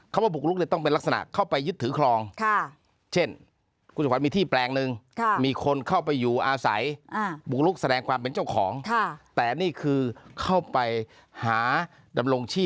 คำว่าบุกลุกเลยต้องเป็นลักษณะเข้าไปยึดถือครอง